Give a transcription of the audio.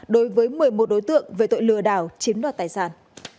đối với một mươi một đối tượng về tội lừa đảo chiếm đoạt tài sản